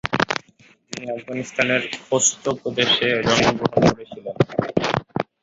তিনি আফগানিস্তানের খোস্ত প্রদেশে জন্মগ্রহণ করেছিলেন।